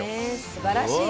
すばらしい。